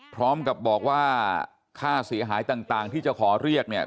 พร้อมกับบอกว่าค่าเสียหายต่างที่จะขอเรียกเนี่ย